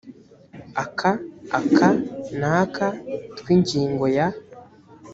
aka aka n aka tw ingingo ya